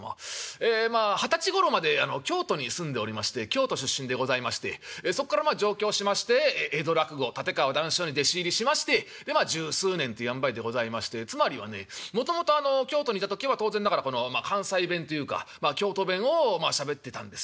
ええ二十歳ごろまで京都に住んでおりまして京都出身でございましてそっからまあ上京しまして江戸落語立川談笑師匠に弟子入りしましてでまあ十数年というあんばいでございましてつまりはねもともとあの京都にいた時は当然ながら関西弁というか京都弁をしゃべってたんですよ。